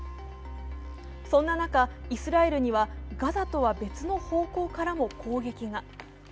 そんな中、イスラエルにはガザとは別の方向からも攻撃が。